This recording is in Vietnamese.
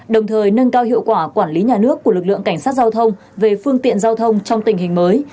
đồng thời nâng cao hiệu quả quản lý nhà nước của lực lượng cảnh sát giao thông về phương tiện giao thông trong tình hình mới